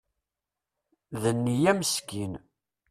D nniya meskin.